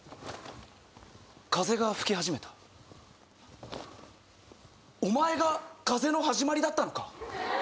風が吹き始めたお前が風の始まりだったのか？